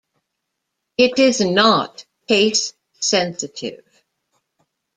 It is not case-sensitive.